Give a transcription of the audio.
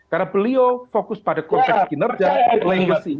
karena beliau fokus pada konteks kinerja dan lenguasi